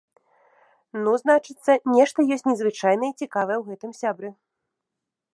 Ну, значыцца, нешта ёсць незвычайнае і цікавае ў гэтым сябры.